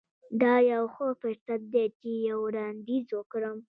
دا یو ښه فرصت دی چې یو وړاندیز وکړم